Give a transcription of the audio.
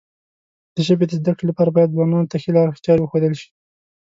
د ژبې د زده کړې لپاره باید ځوانانو ته ښې لارې چارې وښودل شي.